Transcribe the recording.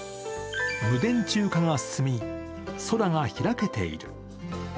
無電柱化が進み、空が開けている。